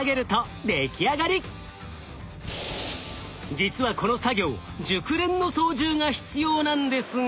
実はこの作業熟練の操縦が必要なんですが。